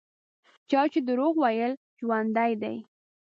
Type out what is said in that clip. چا چې دروغ ویل ژوندي دي.